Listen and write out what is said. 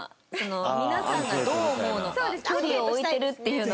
皆さんがどう思うのか距離を置いてるっていうのが。